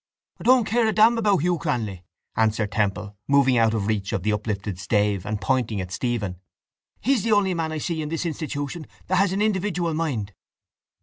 —I don't care a damn about you, Cranly, answered Temple, moving out of reach of the uplifted stave and pointing at Stephen. He's the only man I see in this institution that has an individual mind.